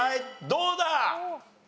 どうだ？